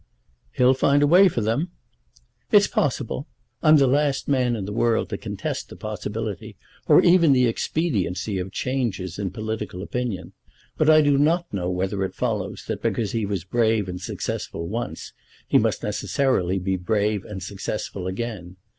"He'll find a way for them." "It's possible. I'm the last man in the world to contest the possibility, or even the expediency, of changes in political opinion. But I do not know whether it follows that because he was brave and successful once he must necessarily be brave and successful again.